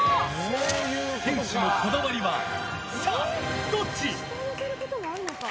店主のこだわりはさあ、どっち？